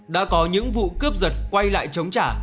đã có những vụ cướp giật quay lại chống trả